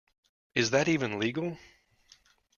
Is that even legal?